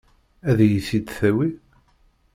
Ad iyi-t-id-tawi?